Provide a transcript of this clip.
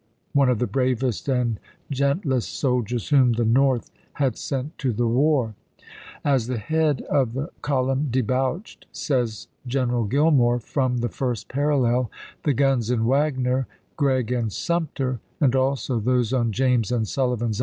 one of the bravest and gentlest soldiers whom the At8ueiy North had sent to the war. " As the head of the 0Snstns column debouched," says General Gillmore, " from ton,»p! 5L the first parallel, the guns in Wagner, Gregg, and Sumter, and also those on James and Sullivan's 430 ABRAHAM LINCOLN chap.